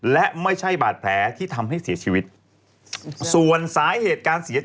และไม่ใช่บาดแผลที่ทำให้เสียชีวิต